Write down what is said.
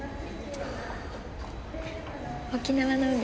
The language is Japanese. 沖縄の海